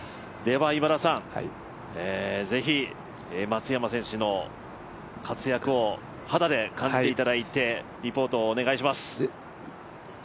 今田さん、ぜひ松山選手の活躍を肌で感じていただいて、リポートをお願いします。